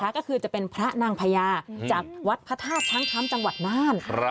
ก็คือจะเป็นพระนางพญาจากวัดพระธาตุช้างคำจังหวัดน่าน